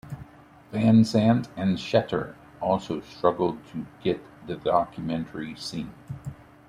Van Zandt and Schechter also struggled to get the documentary seen.